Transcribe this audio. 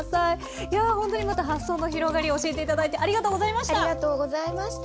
いやほんとにまた発想の広がり教えて頂いてありがとうございました！